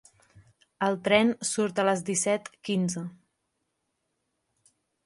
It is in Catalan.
El tren surt a les disset quinze.